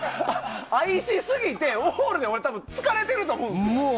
愛しすぎて、オールデン疲れてると思うんです。